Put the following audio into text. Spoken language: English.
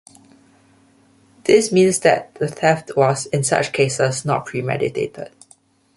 This means that the theft was, in such cases, not premeditated.